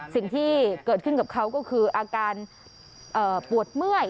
สิ่งที่เกิดขึ้นกับเขาก็คืออาการปวดเมื่อย